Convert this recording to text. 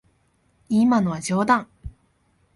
今のは冗談。